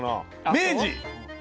明治。